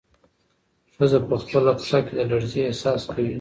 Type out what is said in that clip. ښځه په خپله پښه کې د لړزې احساس کوي.